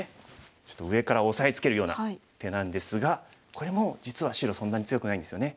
ちょっと上から押さえつけるような手なんですがこれも実は白そんなに強くないんですよね。